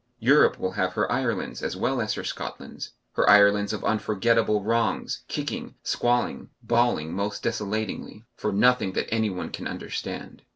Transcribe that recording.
Europe will have her Irelands as well as her Scotlands, her Irelands of unforgettable wrongs, kicking, squalling, bawling most desolatingly, for nothing that any one can understand.